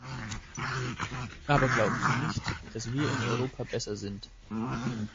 Aber glauben Sie nicht, dass wir in Europa besser sind.